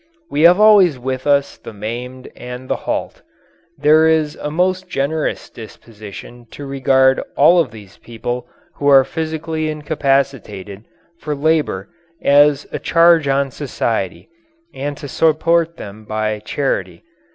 We have always with us the maimed and the halt. There is a most generous disposition to regard all of these people who are physically incapacitated for labour as a charge on society and to support them by charity.